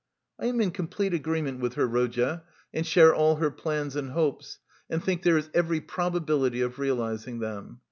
I am in complete agreement with her, Rodya, and share all her plans and hopes, and think there is every probability of realising them.